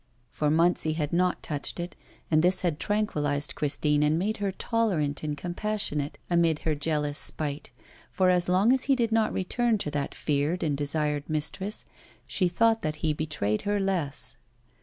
For months he had not touched it, and this had tranquillised Christine and made her tolerant and compassionate, amid her jealous spite; for as long as he did not return to that feared and desired mistress, she thought that he betrayed her less.